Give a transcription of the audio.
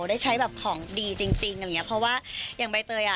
ได้ใช้ของดีจริงเพราะว่าอย่างใบเตยอ่ะ